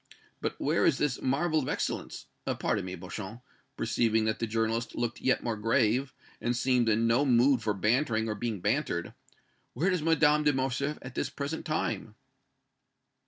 But where is this marvel of excellence pardon me, Beauchamp," perceiving that the journalist looked yet more grave, and seemed in no mood for bantering or being bantered "where is Madame de Morcerf at the present time?"